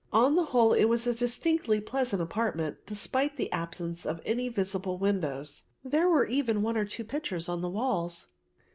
On the whole it was a distinctly pleasant apartment despite the absence of any visible windows. There were even one or two pictures on the walls.